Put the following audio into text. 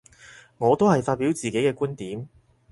我都係發表自己嘅觀點